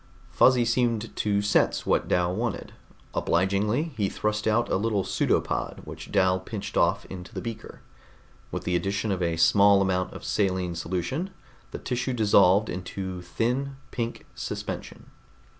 Fuzzy seemed to sense what Dal wanted; obligingly he thrust out a little pseudopod which Dal pinched off into the beaker. With the addition of a small amount of saline solution, the tissue dissolved into thin, pink suspension.